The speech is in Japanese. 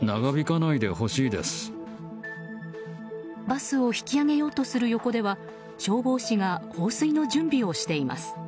バスを引き上げようとする横では消防士が放水の準備をしています。